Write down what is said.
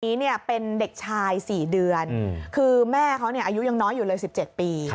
นี้เนี่ยเป็นเด็กชาย๔เดือนคือแม่เขาอายุยังน้อยอยู่เลย๑๗ปี